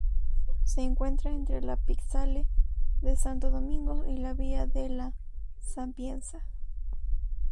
Se encuentra entre el piazzale de Santo Domingo y la via della Sapienza.